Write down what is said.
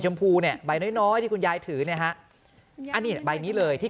พูเนี่ยใบน้อยน้อยที่คุณยายถือเนี่ยฮะอันนี้ใบนี้เลยที่